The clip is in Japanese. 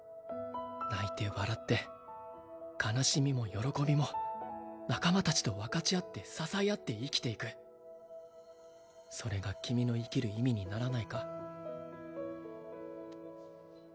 泣いて笑って悲しみも喜びも仲間達と分かち合って支え合って生きていくそれが君の生きる意味にならないか？